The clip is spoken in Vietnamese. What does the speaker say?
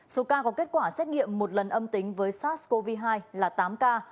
số ca có kết quả xét nghiệm một lần âm tính với sars cov hai là tám ca